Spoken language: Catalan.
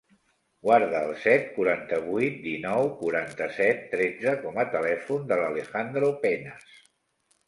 Guarda el set, quaranta-vuit, dinou, quaranta-set, tretze com a telèfon de l'Alejandro Penas.